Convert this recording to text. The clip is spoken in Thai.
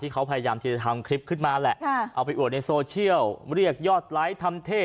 เขาพยายามที่จะทำคลิปขึ้นมาแหละเอาไปอวดในโซเชียลเรียกยอดไลค์ทำเท่